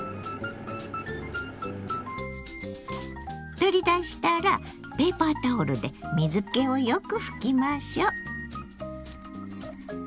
取り出したらペーパータオルで水けをよく拭きましょう。